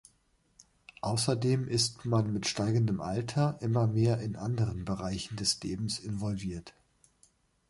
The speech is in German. Außerdem ist man mit steigendem Alter immer mehr in anderen Bereichen des Lebens involviert.